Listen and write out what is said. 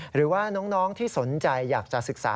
หรือว่าน้องที่สนใจอยากจะศึกษา